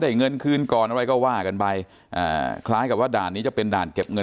เงินคืนก่อนอะไรก็ว่ากันไปอ่าคล้ายกับว่าด่านนี้จะเป็นด่านเก็บเงิน